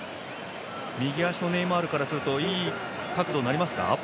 右足のネイマールからするといい角度になりますか？